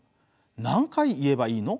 何回言えばいいの？